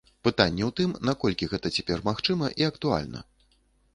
Пытанне ў тым, наколькі гэта цяпер магчыма і актуальна.